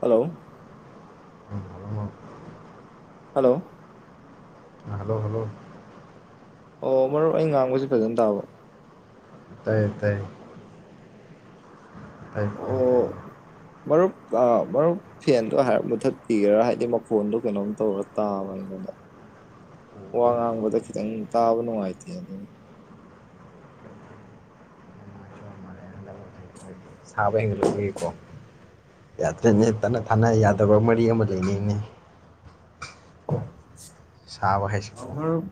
Hello. ꯎꯣ hello. Hello hello. ꯑꯣ ꯃꯔꯨꯞ ꯑꯩ ꯉꯥꯡꯕꯕꯁꯤꯦ ꯐꯖꯅ ꯇꯥꯕ꯭ꯔꫭ꯫ ꯇꯥꯏꯌꯦ ꯇꯥꯏꯌꯦ꯫ ꯇꯥꯏ ꯑꯣ ꯇꯥꯏꯌꯦ ꯃꯔꯨꯞ ꯑꯥ ꯃꯔꯨꯞ ꯐꯦꯟꯗꯣ ꯍꯥꯏꯔꯞ ꯃꯨꯊꯠꯄꯤꯒꯦꯔꯥ ꯍꯥꯏꯕꯗꯤ ꯃꯈꯣꯟꯗꯣ ꯀꯩꯅꯣꯝ ꯇꯧꯔ ꯇꯥꯕ ꯑꯩꯉꯣꯟꯗ ꯋꯥ ꯑꯣ ꯉꯥꯡꯕꯗ ꯈꯤꯇꯪ ꯇꯥꯕ ꯅꯨꯡꯉꯥꯏꯇꯦ ꯑꯗꯨ꯫ ꯁꯥꯕ ꯍꯦꯟꯒꯠꯂꯛꯀꯣ ꯌꯥꯗ꯭ꯔꯦꯅꯦ ꯇꯠꯅ ꯊꯥꯅ ꯌꯥꯗꯕ ꯃꯔꯤ ꯑꯃ ꯂꯩꯅꯤꯡꯅꯦ꯫ ꯁꯥꯕ ꯍꯥꯏꯁꯦ ꯑ ꯃꯔꯨꯞ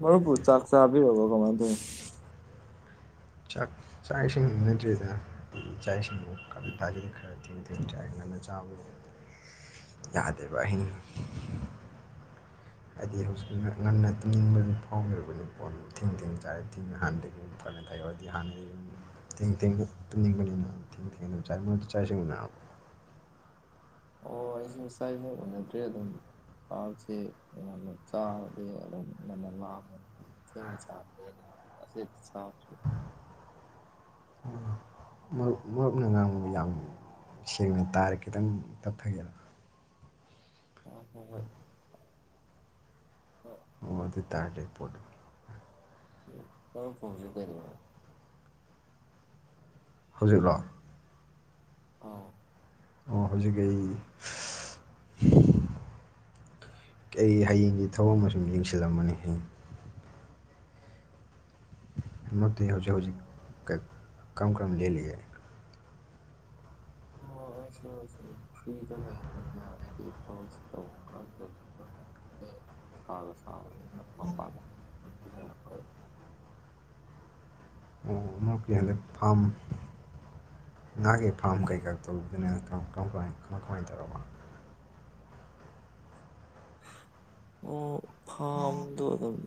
ꯃꯔꯨꯞꯄꯨ ꯆꯥꯛ ꯆꯐꯕꯤꯔꯕ ꯀꯃꯥꯏ ꯇꯧ꯫ ꯆꯥꯛ ꯆꯥꯛ ꯏꯁꯤꯡ [unintelligible] ꯆꯥꯛ ꯏꯁꯤꯡ [unintelligible] ꯈꯔ ꯊꯦꯡ-ꯊꯦꯡ ꯆꯥꯏ ꯉꯟꯅ ꯆꯥꯕꯗꯨ ꯌꯥꯗꯦ ꯕꯥꯏ꯫ [inaudible] ꯑꯣ ꯑꯩꯁꯨ ꯆꯥꯛꯏꯁꯨ ꯎꯅꯗ꯭ꯔꯦ ꯑꯗꯨꯝ ꯆꯥꯁꯦ ꯌꯥꯝꯅ ꯆꯥꯔꯗꯤ ꯑꯗꯨꯝ ꯉꯟꯅ ꯂꯥꯝꯕ ꯊꯦꯡꯅ ꯆꯥ ꯃꯔꯨꯞ ꯃꯔꯨꯞꯅ ꯉꯥꯡꯕꯗꯣ ꯌꯥꯝ ꯁꯦꯡꯅ ꯇꯥꯔꯦ ꯈꯤꯇꯪ ꯇꯞꯊꯒꯦꯔ꯫ ꯑꯥ ꯍꯣ ꯍꯣꯏ ꯍꯣꯏ꯫ ꯇꯥꯗ꯭ꯔꯦ ꯄꯣꯠ꯫ [unintelligible] ꯃꯥꯏ ꯃꯈꯣꯡꯁꯦ ꯀꯩꯗꯧꯔꯦ꯫ ꯍꯧꯖꯤꯛꯂꯣ꯫ ꯑꯥ꯫ ꯑꯣ ꯍꯧꯖꯤꯛ ꯑꯩ꯫ ꯑꯩ ꯍꯌꯦꯡꯒꯤ ꯊꯕꯛ ꯑꯃ ꯁꯨꯝ ꯌꯦꯡꯁꯤꯜꯂꯝꯕꯅꯤ ꯍꯌꯦꯡ꯫ ꯃꯔꯨꯞꯇꯤ ꯍꯧꯖꯤꯛ ꯍꯧꯖꯤꯛ ꯀꯔꯝ ꯀꯔꯝ ꯂꯦꯜꯂꯤꯒꯦ꯫ ꯑꯣ ꯍꯣꯏꯁꯦ ꯍꯣꯏꯁꯦ ꯐ꯭ꯔꯤꯗ ꯂꯩꯕ꯫ [inaudible] ꯑꯣ ꯃꯔꯨꯞꯀꯤ ꯍꯟꯗꯛ ꯐꯥꯝ꯫ ꯉꯥꯒꯤ ꯐꯥꯔ꯭ꯝ ꯀꯩꯀꯥ ꯇꯧꯕꯗꯨꯅ꯫ ꯀꯝꯀꯥꯏ ꯀꯃꯥꯏ ꯀꯃꯥꯏ ꯇꯧꯔꯕ꯫ ꯑꯣ ꯐꯥꯝꯗꯣ ꯑꯗꯨꯝ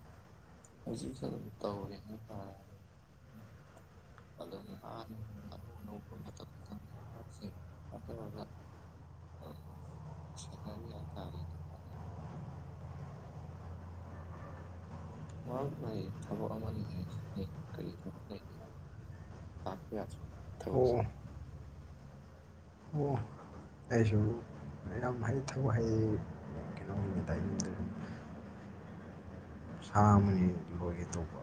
ꯍꯧꯖꯤꯛꯁꯨ ꯑꯗꯨꯝ ꯇꯧꯋꯦ ꯍꯥꯏꯇꯥꯔꯦ ꯑꯗꯨ ꯑꯅꯧ ꯑꯅꯧꯕ ꯃꯇꯝ꯫ [inaudible] ꯃꯍꯥꯛ ꯊꯕꯛ ꯑꯃꯅꯤ ꯀ [inaudible] ꯑꯣ ꯊꯕꯛꯁꯦ꯫ ꯑꯣ ꯑꯩꯁꯨ ꯌꯥꯝ ꯍꯩ ꯊꯕꯛ ꯍꯩ ꯀꯩꯅꯣꯒꯤ ꯇꯥꯏ꯫ ꯁꯥ ꯑꯃꯅꯤ ꯂꯣꯏꯒꯦ ꯇꯧꯕ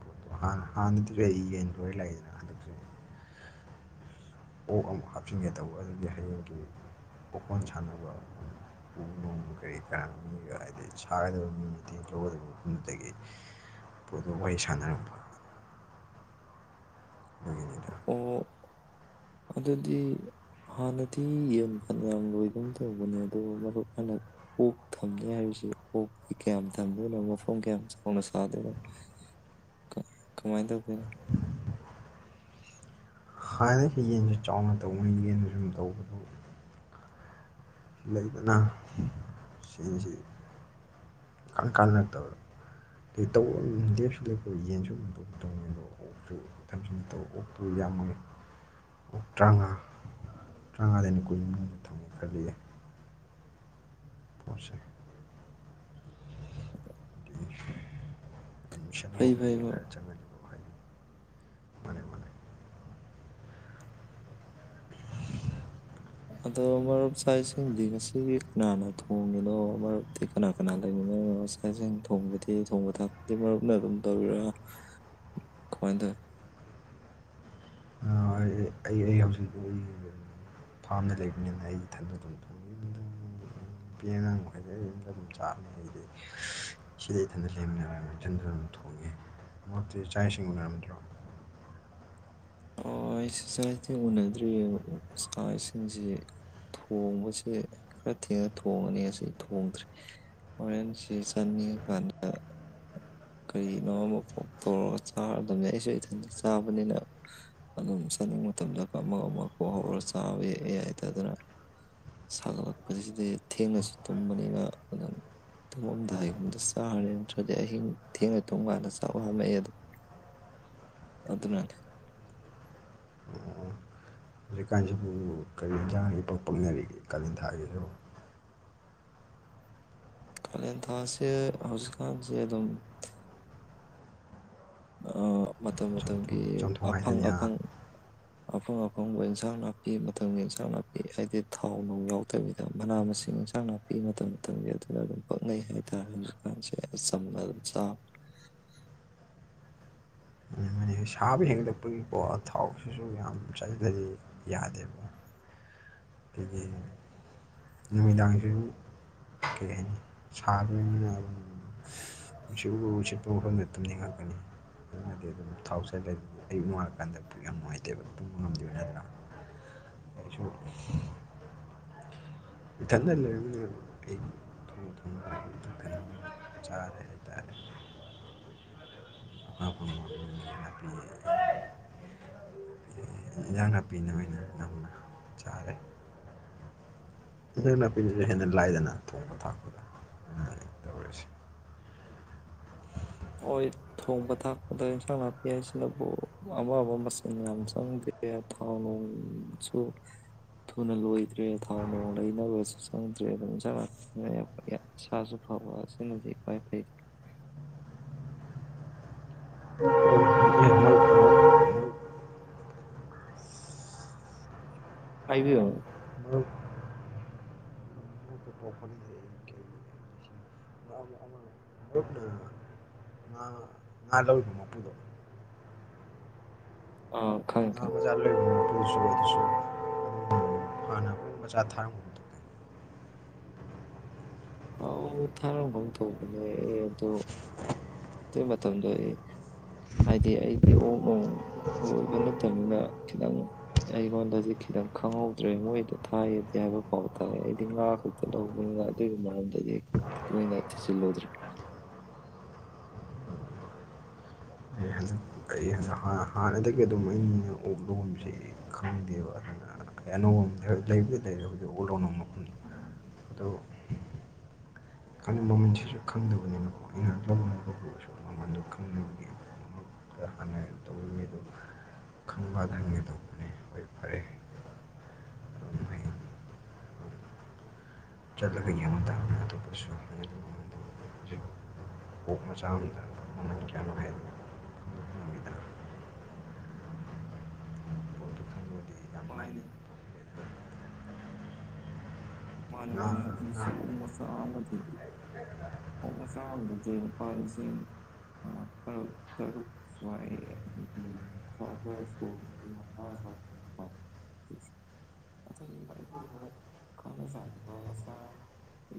ꯄꯣꯠꯇꯣ ꯍꯥꯟꯅ ꯍꯥꯟꯅꯗꯤ ꯑꯩ ꯌꯦꯟ ꯂꯣꯏ ꯂꯥꯛꯏꯗꯅ ꯍꯟꯗꯛꯁꯨ ꯑꯣꯛ ꯑꯃꯨꯛ ꯍꯥꯞꯆꯤꯟꯒꯦ ꯇꯧꯕ ꯑꯗꯨꯒꯤ ꯍꯌꯦꯡꯒꯤ ꯑꯣꯀꯣꯟ ꯁꯥꯟꯅꯕ ꯎ ꯅꯣꯡ ꯀꯔꯤ ꯀꯔꯥ ꯍꯥꯏꯗꯤ ꯁꯥꯒꯗꯕ ꯃꯤ ꯃꯇꯦꯡ꯫ ꯂꯧꯒꯗꯕ ꯃꯐꯝꯗꯨꯗꯒꯤ ꯄꯣꯠꯇꯣ ꯋꯥꯔꯤ ꯁꯥꯟꯅꯔꯛꯄ꯫ [unintelligible] ꯑꯣ ꯑꯗꯨꯗꯤ ꯍꯥꯟꯅꯗꯤ ꯌꯦꯟ ꯐꯅ꯭ꯌꯥꯝ ꯂꯣꯏꯒꯨꯝ ꯇꯧꯕꯅꯦ ꯑꯗꯨꯕꯨ ꯃꯔꯨꯞ ꯅꯪꯅ ꯑꯣꯛ ꯊꯝꯅꯤ ꯍꯥꯏꯔꯤꯁꯤ ꯑꯣꯛ ꯀꯌꯥꯝ ꯊꯝꯗꯣꯏꯅꯣ ꯃꯐꯝ ꯀꯌꯥꯝ ꯆꯥꯎꯅ ꯁꯥꯗꯣꯏꯅꯣ ꯀꯥ ꯀꯃꯥꯏꯅ ꯇꯧꯗꯣꯏꯅꯣ꯫ ꯍꯥꯟꯅꯗꯒꯤ ꯌꯦꯟꯁꯨ ꯆꯥꯎꯅ ꯇꯧꯕꯅꯤꯅ ꯌꯦꯟ ꯁꯨꯝ ꯇꯧꯕꯗ꯫ ꯂꯩꯗꯅ ꯁꯦꯟꯁꯤ ꯏꯀꯥꯟ ꯀꯥꯟꯅꯔꯛꯇꯕ ꯑꯩ ꯇꯧ ꯂꯦꯞꯁꯨ ꯂꯦꯞꯄꯣꯏ ꯌꯦꯟꯁꯨ ꯑꯗꯨꯝ ꯇꯧꯅꯤ ꯑꯗꯣ ꯑꯣꯛꯁꯨ ꯊꯝꯖꯟꯒꯦ ꯇꯧꯕ ꯑꯣꯛꯇꯨ ꯌꯥꯝꯃꯦ ꯑꯣꯛ ꯇ꯭ꯔꯥꯉꯥ ꯇ꯭ꯔꯥꯉꯥꯗꯩꯅ ꯀꯨꯟ ꯃꯅꯨꯡꯗ ꯊꯝꯒꯦ ꯈꯜꯂꯤꯌꯦ꯫ ꯄꯣꯠꯁꯦ꯫ ꯃꯤꯁꯟ ꯐꯩ ꯐꯩ ꯑꯃꯕꯨꯗꯤ ꯃꯔꯨꯞ ꯈꯔ ꯆꯪꯉꯅꯤ꯫ ꯃꯥꯅꯦ ꯃꯥꯅꯦ꯫ ꯑꯗꯣ ꯃꯔꯨꯞ ꯆꯥꯛ ꯏꯁꯤꯡꯗꯤ ꯉꯁꯤꯒꯤ ꯀꯅꯥꯅ ꯊꯣꯡꯉꯤꯅꯣ ꯃꯔꯨꯞꯇꯤ ꯀꯅꯥ ꯀꯅꯥ ꯂꯩꯃꯤꯟꯅꯩꯅꯣ ꯆꯥꯛ ꯏꯁꯤꯡ ꯊꯣꯡꯕꯗꯤ ꯊꯣꯡꯕ ꯊꯥꯛꯄꯗꯤ ꯃꯔꯨꯞꯅ ꯑꯗꯨꯝ ꯇꯧꯕꯔꯤꯔꯥ ꯀꯃꯥꯏꯟ ꯇꯧꯋꯤ꯫ ꯑꯩ ꯐꯥꯔꯝꯗ ꯂꯩꯕꯅꯤꯅ ꯑꯩ ꯏꯊꯟꯗ ꯑꯗꯨꯝ ꯊꯣꯡꯖꯩ ꯅꯨꯄꯤ ꯑꯉꯥꯡ ꯃꯈꯩꯗꯤ ꯑꯩ ꯌꯨꯝꯗ ꯑꯗꯨꯝ ꯆꯥꯕꯅꯦ ꯑꯩꯗꯤ ꯁꯤꯗ ꯏꯊꯟꯇ ꯂꯩꯕꯅꯤꯅ ꯏꯊꯟꯗ ꯑꯗꯨꯝ ꯊꯣꯡꯉꯦ ꯃꯔꯨꯝꯇꯤ ꯆꯥꯛ ꯏꯁꯤꯡ ꯎꯅꯔꯝ ꯅꯠꯇ꯭ꯔꯣ꯫ ꯑꯥꯏꯁ ꯆꯥꯛ ꯏꯁꯤꯡ ꯎꯅꯗ꯭ꯔꯤꯌꯦ ꯃꯔꯨꯞ ꯆꯥꯛ ꯏꯁꯤꯡꯖꯤ ꯊꯣꯡꯕꯁꯦ ꯈꯔ ꯊꯦꯡꯅ ꯊꯣꯡꯉꯅꯤ ꯉꯁꯤꯗꯤ ꯊꯣꯡꯗ꯭꯭ꯔꯤ ꯍꯣꯔꯦꯟ ꯁꯦ ꯆꯥꯅꯤꯡꯉ ꯀꯥꯟꯗ ꯀꯔꯤꯅꯣ ꯑꯃ ꯀꯣꯛ ꯇꯧꯔꯒ ꯆꯥꯔꯗꯝꯅꯦ ꯑꯩꯁꯨ ꯏꯊꯟꯇ ꯆꯥꯕꯅꯤꯅ ꯑꯗꯨꯝ ꯆꯥꯅꯤꯡꯕ ꯃꯇꯝꯗꯒ ꯑꯃ ꯑꯃ ꯀꯣꯛ ꯍꯧꯔꯒ ꯆꯥꯕꯤ ꯌꯥꯏꯗ ꯑꯗꯨꯅ ꯁꯥꯒꯠꯂꯛꯄꯖꯤꯗꯤ ꯊꯦꯡꯅꯁꯨ ꯇꯨꯝꯕꯅꯤꯅ ꯑꯗꯨꯝ ꯇꯨꯝꯃꯝꯗꯥꯏ ꯒꯨꯝꯗ ꯆꯥꯔꯦ ꯅꯠꯇ꯭ꯔꯗꯤ ꯑꯍꯤꯡ ꯊꯦꯡꯅ ꯇꯨꯝ ꯀꯥꯟꯗ ꯆꯥꯛ ꯂꯥꯝꯃꯛꯑꯦ ꯑꯗꯨꯅ ꯑꯗꯨꯅꯅꯦ ꯍꯧꯖꯤꯛꯀꯥꯟꯖꯤꯕꯨ ꯀꯔꯤ ꯌꯦꯖꯥꯡꯅ ꯏꯄꯛ ꯄꯛꯅꯔꯤꯒꯦ ꯀꯥꯂꯦꯟ ꯊꯥ [unintelligible] ꯀꯂꯦꯟ ꯊꯥꯁꯦ ꯍꯧꯖꯤꯛꯀꯥꯟꯁꯦ ꯑꯗꯨꯝ ꯑ ꯃꯇꯝ ꯃ ꯇꯝꯒꯤ ꯆꯝꯊꯣꯡ ꯆꯝꯊꯣꯡ ꯑꯐꯪ ꯍꯥꯏꯗꯨꯅꯤ ꯍꯥ ꯑꯐꯪ ꯑꯐꯪ ꯑꯐꯪꯕ ꯏꯟꯁꯥꯡ ꯅꯥꯄꯤ ꯃꯇꯝꯒꯤ ꯏꯟꯁꯥꯡ ꯅꯥꯄꯤ ꯍꯥꯏꯗꯤ ꯊꯥꯎ ꯅꯨꯡ ꯌꯥꯎꯗꯕꯤꯗ ꯃꯅꯥ ꯃꯁꯤꯡ ꯏꯟꯁꯥꯡ ꯅꯥꯄꯤ ꯃꯇꯝ ꯃꯇꯝꯒꯤ ꯑꯗꯨꯅ ꯑꯗꯨꯝ ꯄꯛꯅꯩ ꯍꯥꯏꯇꯥꯔꯦ ꯍꯧꯖꯤꯛꯀꯥꯟꯁꯦ ꯆꯝꯅ ꯑꯗꯨꯝ ꯆꯥꯕ ꯑꯗꯨꯃꯥꯏꯅ ꯁꯥꯕ ꯍꯦꯟꯒꯠꯂꯛꯄꯒꯤꯀꯣ ꯊꯥꯎꯁꯤꯁꯨ ꯌꯥꯝ ꯆꯥꯖꯤꯜꯂꯗꯤ ꯌꯥꯗꯦꯕ ꯑꯩꯈꯣꯏꯒꯤ ꯅꯨꯃꯤꯗꯥꯡꯖꯤꯁꯨ ꯀꯩꯍꯥꯏꯅꯤ ꯁꯥꯕꯅꯤꯅ ꯅꯨꯡꯁꯤꯠ ꯎ ꯎ ꯁꯤꯠꯄ ꯃꯐꯝꯗ ꯇꯨꯝꯅꯤꯡꯉꯛꯀꯅꯤ [unintelligible] ꯊꯥꯎ ꯆꯏꯂꯥꯏ ꯑꯌꯨꯛ ꯅꯨꯡꯉꯥꯜꯂꯀꯥꯟꯗ ꯄꯨꯛ ꯌꯥꯝ ꯅꯨꯡꯉꯥꯏꯇꯦꯕ [unintelligible] ꯏꯊꯟꯗ ꯂꯩꯔꯝꯅꯤꯅ [unintelligible] ꯅꯄꯤ ꯏꯟꯖꯥꯡ ꯅꯥꯄꯤꯅ ꯑꯣꯏꯅ ꯌꯥꯝꯅ ꯆꯥꯔꯦ ꯏꯟꯖꯥꯡ ꯅꯥꯄꯤꯅꯁꯨ ꯍꯦꯟꯅ ꯂꯥꯏꯗꯅ ꯊꯣꯡꯕ ꯊꯥꯛꯄꯗ ꯇꯧꯔꯤꯁꯦ꯫ ꯍꯣꯏ ꯊꯣꯡꯕ ꯊꯥꯛꯄꯗ ꯏꯟꯁꯥꯡ ꯅꯥꯄꯤ ꯍꯥꯏ ꯑꯁꯤꯅꯕꯨ ꯑꯋꯥꯕ ꯃꯁꯟ ꯌꯥꯝ ꯆꯪꯗꯦ ꯊꯥꯎ ꯅꯨꯡꯁꯨ ꯊꯨꯅ ꯂꯣꯏꯗ꯭ꯔꯦ ꯊꯥꯎ ꯅꯣꯡ ꯂꯩꯅꯕꯁꯨ ꯆꯪꯗ꯭ꯔꯦ ꯑꯗꯨ ꯏꯟꯁꯥꯡ ꯅꯥꯄꯤꯅ ꯏꯁꯥꯁꯨ ꯐꯕ ꯑꯁꯤꯅꯗꯤ ꯈ꯭ꯋꯥꯏ ꯐꯩ꯫ ꯍꯥꯏꯕꯤꯌꯨ꯫ ꯃꯔꯨꯞꯀ ꯄꯥꯎ ꯐꯥꯎꯅꯗ꯭ꯔꯦ ꯑꯩ ꯀꯩ ꯃꯔꯨꯞꯅ ꯑ ꯂꯧꯔꯤꯕ ꯃꯄꯨꯗ ꯑ ꯈꯪꯉꯦ ꯉꯥ ꯈꯪꯉꯦ꯫ ꯃꯆꯥ ꯂꯧꯔꯤꯕ ꯃꯄꯨꯗꯨꯁꯨ ꯑꯗꯨꯁꯨ ꯑꯗꯨꯝ ꯍꯥꯟꯅ ꯑꯩꯈꯣꯏ ꯃꯆꯥ ꯊꯥꯔꯝꯒꯨꯝ ꯇꯧꯗꯥꯏꯅꯦ꯫ ꯑꯥꯎ ꯊꯔꯝ ꯒꯨꯝ ꯇꯧꯕꯅꯤ ꯑꯩ ꯑꯗꯨ ꯑꯇꯩ ꯃꯇꯝꯗꯣ ꯑꯩ ꯍꯥꯏꯗꯤ ꯑꯩꯗꯤ ꯑꯣꯛ ꯅꯣꯡ ꯂꯣꯏꯕ ꯅꯠꯇꯝꯅꯤꯅ ꯈꯤꯇꯪ ꯑꯩꯉꯣꯟꯗꯗꯤ ꯈꯤꯇꯪ ꯈꯪꯍꯧꯗ꯭ꯔꯦ ꯃꯣꯏꯗꯣ ꯊꯥꯏꯌꯦꯗꯤ ꯍꯥꯏꯕ ꯄꯥꯎ ꯇꯥꯏ ꯑꯩꯗꯤ ꯉꯥ ꯈꯛꯇ ꯂꯍꯧꯕꯅꯤꯅ ꯑꯗꯨꯒꯤ ꯃꯔꯝꯗꯗꯤ ꯀꯣꯏꯅ ꯊꯤꯖꯜꯂꯨꯗ꯭ꯔꯦ꯫ ꯍ ꯍꯥꯟꯅꯗꯒꯤ ꯑꯗꯨꯝ ꯑꯩꯅ ꯑꯣꯛ ꯂꯧꯝꯁꯦ ꯈꯪꯗꯦꯕ ꯑꯗꯨꯅ ꯑꯩ ꯑꯅꯧꯕ ꯍꯦꯛ [unintelligible] ꯈꯪꯗꯦ ꯃꯃꯟꯁꯤꯁꯨ ꯈꯪꯗꯕꯅꯤꯅꯀꯣ ꯑꯩꯅ ꯑꯅꯧꯕ [unintelligible] [unintelligible] ꯇꯧꯕꯅꯦ ꯍꯣꯏ ꯐꯔꯦ ꯑꯗꯨꯝ [unintelligible] ꯆꯠꯂꯒ ꯌꯦꯡꯕ ꯇꯥꯕꯅꯤ ꯑꯇꯣꯞꯄꯁꯨ [unintelligible] ꯍꯧꯖꯤꯛ ꯑꯣꯛ ꯃꯆꯥ ꯑꯃꯝꯗ ꯃꯃꯟ ꯀꯌꯥꯅꯣ ꯍꯥꯏꯗ ꯄꯣꯠꯇꯨ ꯈꯪꯕꯗꯤ ꯌꯥꯝ ꯃꯥꯅꯤ ꯂꯥꯏꯅ꯫ ꯃꯥꯅꯦ ꯉꯥ ꯃꯥꯅꯦ ꯍꯧꯖꯤꯛꯁꯦ ꯉꯥ ꯑꯣꯛ ꯃꯆꯥ ꯑꯃꯗꯤ ꯑꯣꯛ ꯃꯆꯥ ꯑꯃꯗꯗꯤ ꯂꯨꯄꯥ ꯂꯤꯁꯤꯡ ꯃꯉꯥ ꯇꯔꯨꯛ ꯇꯔꯨꯛ [unintelligible] ꯈꯪꯅ ꯆꯥꯟꯅꯕ ꯃꯁ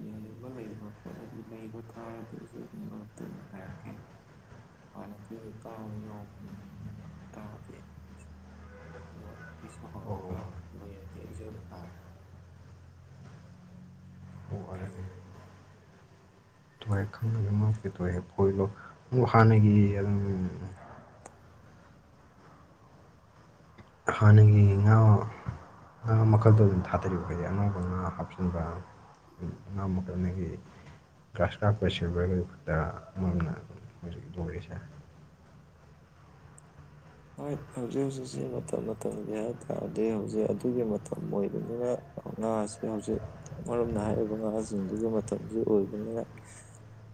ꯌꯣꯟꯅꯤꯡꯕ ꯂꯩꯕ ꯈꯣꯠꯂꯗꯤ ꯂꯩꯕ ꯇꯥꯔꯗꯤ ꯑꯩꯁꯨ ꯑꯗꯨꯝ ꯉꯇ ꯍꯥꯏꯔꯛꯀꯦ ꯍꯥꯟꯅꯗꯤ ꯇꯕ ꯌꯥꯎꯕꯅꯦ ꯇꯥꯗꯦ ꯑꯗꯣ ꯑꯩꯁꯨ ꯑꯣ ꯍꯪꯉꯒ ꯂꯩꯔꯗꯤ ꯑꯩꯁꯨ ꯑꯗꯨꯝ ꯍꯥꯏꯔꯛꯀꯦ ꯑꯣ ꯑꯗꯨꯅꯤ [inaudible] [unintelligible] ꯍꯥꯟꯅꯒꯤ ꯎꯝ ꯍꯥꯟꯅꯒꯤ ꯉꯥ ꯉꯥ ꯃꯈꯜꯗꯣ ꯑꯗꯨꯝ ꯊꯥꯗꯔꯤꯕ ꯍꯥꯏꯗꯤ ꯑꯅꯧꯕ ꯉꯥ ꯍꯥꯞꯆꯟꯕ ꯉꯥ ꯃꯈꯜꯒꯤ ꯒ꯭ꯔꯥꯁ ꯀꯥꯞꯄ ꯁꯤꯜꯚꯔꯒꯗꯨ ꯈꯛꯇ [unintelligible] ꯍꯧꯖꯤꯛ ꯇꯧꯔꯤꯁꯦ ꯍꯣꯏ ꯍꯧꯖꯤꯛ ꯍꯧꯖꯤꯛꯁꯤ ꯃꯇꯝ ꯃꯇꯝꯒꯤ ꯍꯥꯏ ꯇꯥꯔꯗꯤ ꯍꯧꯖꯤꯛ ꯑꯗꯨꯒꯤ ꯃꯇꯝ ꯑꯣꯏꯕꯅꯤꯅ ꯉꯥꯥꯁꯦ ꯍꯧꯖꯤꯛ ꯑꯃꯔꯣꯝꯗ ꯍꯥꯏꯔꯤꯕ ꯉꯥꯖꯤꯡꯗꯨꯒꯤ ꯃꯇꯝꯗꯤ ꯑꯣꯏꯕꯅꯤꯅ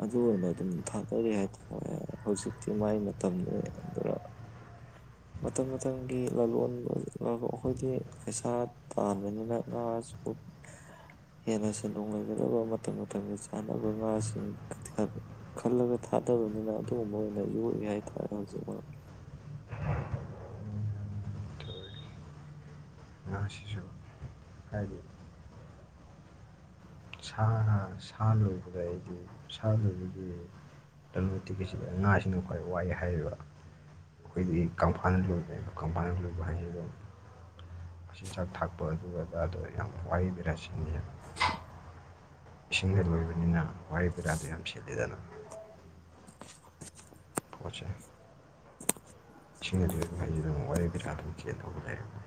ꯑꯗꯨ ꯑꯣꯏꯅ ꯑꯗꯨꯝ ꯊꯥꯗꯔꯤ ꯍꯥꯏꯇꯥꯔꯦ ꯍꯧꯖꯤꯛꯇꯤ ꯃꯥꯏ ꯃꯇꯝꯅꯤ ꯑꯗꯨꯅ꯫ ꯃꯇꯝ ꯃꯇꯝꯒꯤ ꯂꯂꯣꯟꯕ ꯑꯩꯈꯣꯏꯗꯤ ꯄꯩꯁꯥ ꯇꯥꯟꯕꯅꯤꯅ ꯉꯥꯁꯨ ꯍꯦꯟꯅ ꯁꯦꯟꯗꯣꯡ ꯂꯩꯒꯗꯕ ꯃꯇꯝ ꯃꯇꯝꯒꯤ ꯆꯥꯅꯕ ꯉꯥꯁꯤꯡ [unintelligible] ꯈꯜꯂꯒ ꯊꯥꯗꯕꯅꯤꯅ ꯑꯗꯨꯒꯨꯝꯕ ꯑꯣꯏꯅ ꯌꯣꯛꯏ ꯍꯥꯏꯇꯥꯔꯦ ꯍꯧꯖꯤꯛ ꯑꯗꯣ ꯉꯥꯁꯤꯁꯨ ꯍꯥꯏꯗꯤ ꯑꯥ ꯁꯥꯂꯣꯏꯕꯒ ꯑꯩꯗꯤ ꯁꯥ ꯂꯣꯏꯕꯒꯤ ꯂꯂꯨꯇꯤꯛꯀꯤꯁꯤꯗ ꯉꯥꯁꯤꯅ ꯈ꯭ꯋꯥꯏ ꯋꯥꯏ ꯍꯥꯏꯔꯤꯕ ꯑꯩꯈꯣꯏꯒꯤ ꯀꯪꯐꯥꯜ ꯂꯣꯏꯕꯅꯦꯕ ꯀꯪꯐꯥꯜꯅ ꯂꯣꯏꯕ ꯍꯥꯏꯁꯤ ꯑꯗꯨꯝ ꯃꯆꯤꯟꯖꯥꯛ ꯊꯥꯛꯄ ꯑꯗꯨ ꯑꯗꯥꯗꯣ ꯌꯥꯝ ꯋꯥꯏ ꯚꯦꯔꯥ [unintelligible] ꯏꯁꯤꯡꯗ ꯂꯣꯏꯕꯅꯤꯅ ꯋꯥꯍꯩ [unintelligible] ꯌꯥꯝ ꯁꯤꯠꯂꯤꯗꯅ꯫ ꯄꯣꯠꯁꯦ ꯏꯁꯤꯡꯗ ꯂꯣꯏꯕ ꯍꯥꯏꯖꯤꯗꯕꯨ ꯋꯥꯍꯩ ꯕꯦꯔꯥ ꯑꯗꯨꯝ ꯆꯦꯟꯗꯧ ꯂꯩꯔꯝꯅꯦ꯫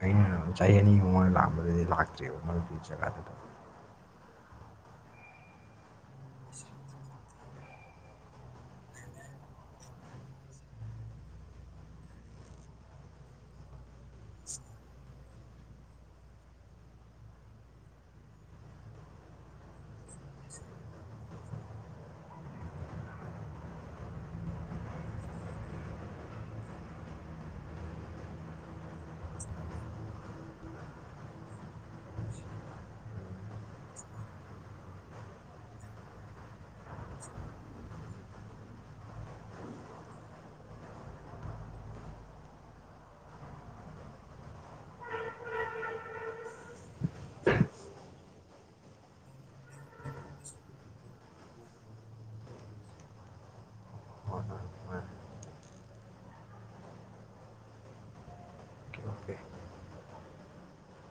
ꯑꯩꯅ ꯆꯍꯤ ꯑꯅꯤ ꯃꯃꯥꯡꯗ ꯂꯥꯛꯑꯝꯕꯗꯩꯩꯗꯤ ꯂꯥꯛꯇ꯭ꯔꯤꯕ ꯃꯔꯨꯞꯀꯤ ꯖꯒꯥꯗꯨꯗ꯫ [inaudible] [inaudible] [inaudible] [inaudible] ꯑꯣ ꯑꯣꯀꯦ ꯑꯣꯀꯦ